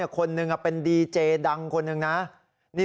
คนหนึ่งเป็นดีเจดังคนหนึ่งนะ